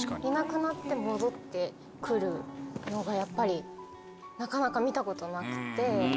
いなくなって戻って来るのがやっぱりなかなか見たことなくって。